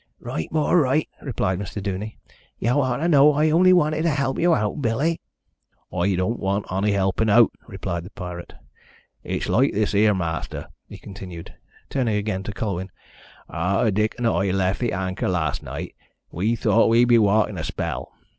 "Right, bor, right," replied Mr. Duney. "Yow oughter know I only wanted to help yow out, Billy." "I dawn't want onny helpin' out," replied the pirate. "It's loike this 'ere, ma'aster," he continued, turning again to Colwyn. "Arter Dick and I left the Anchor las' night, we thowt we'd be walkin' a spell.